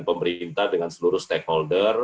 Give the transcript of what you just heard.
pemerintah dengan seluruh stakeholder